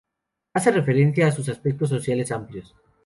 Hace referencia a aspectos sociales amplios.